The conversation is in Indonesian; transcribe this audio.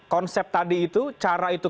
konsep tadi itu cara itu